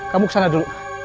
kamu ke sana dulu